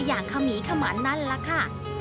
อย่างฆ่าหมี่ฆ่าหมอนนั้นล่ะค่ะ